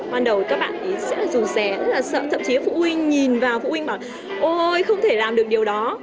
ban đầu các bạn ý sẽ là rù rẽ rất là sợ thậm chí là phụ huynh nhìn vào phụ huynh bảo ôi không thể làm được điều đó